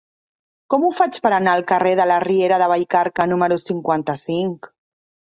Com ho faig per anar al carrer de la Riera de Vallcarca número cinquanta-cinc?